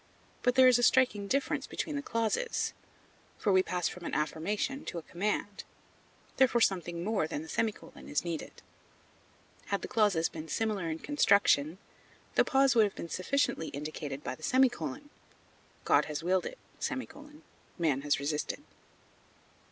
But there is a striking difference between the clauses; for we pass from an affirmation to a command. Therefore something more than the semicolon is needed. Had the clauses been similar in construction, the pause would have been sufficiently indicated by the semicolon: "God has willed it; man has resisted."